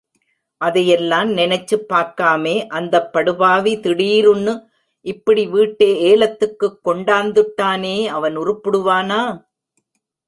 அதையெல்லாம் நெனச்சுப் பாக்காமே, அந்தப் படுபாவி திடீருன்னு இப்படி வீட்டே ஏலத்துக்குக் கொண்டாந்துட்டானே அவன் உருப்புடுவானா?